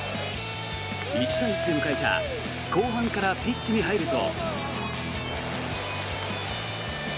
１対１で迎えた後半からピッチに入ると。